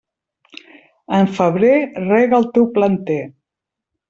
En febrer rega el teu planter.